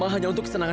apa itu king